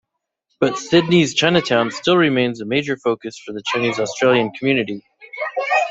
But Sydney's Chinatown still remains a major focus for the Chinese Australian community.